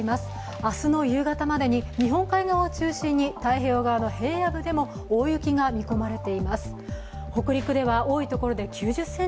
明日の夕方までに日本海側を中心に太平洋側の平野部でも大雪が見込まれています。